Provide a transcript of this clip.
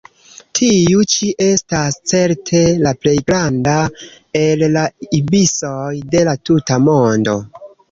Tiu ĉi estas certe la plej granda el la ibisoj de la tuta mondo.